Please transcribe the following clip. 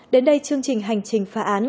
đến đây chương trình hành trình phá án